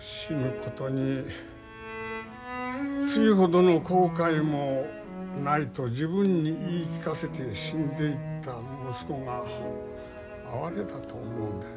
死ぬことに露ほどの後悔もないと自分に言い聞かせて死んでいった息子が哀れだと思うんだよ。